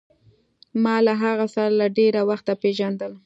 ما له هغه سره له ډېره وخته پېژندل.